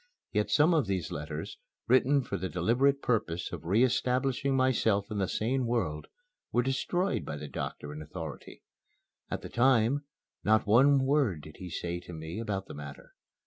Yet some of these letters, written for the deliberate purpose of re establishing myself in the sane world, were destroyed by the doctor in authority. At the time, not one word did he say to me about the matter.